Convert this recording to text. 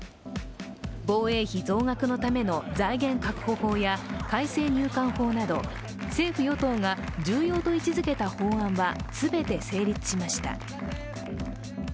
防衛費増額のための財源確保法や改正入管法など政府・与党が重要と位置づけた法案は全て成立しました。